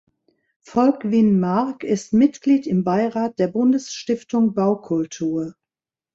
Volkwin Marg ist Mitglied im Beirat der Bundesstiftung Baukultur.